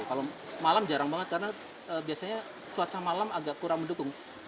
kalau malam jarang banget karena biasanya cuaca malam agak kurang mendukung